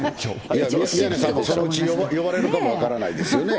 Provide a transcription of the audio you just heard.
宮根さんもそのうち呼ばれるかも分からないですよね。